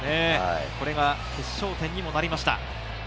これが決勝点にもなりました。